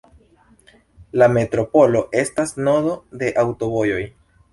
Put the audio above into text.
La metropolo estas nodo de aŭtovojoj.